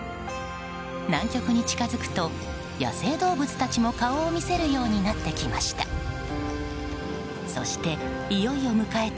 南極に近づくと野生動物たちも顔を見せるようになってきました。